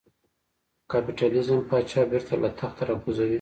کاپیتالېزم پاچا بېرته له تخته را کوزوي.